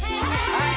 はい！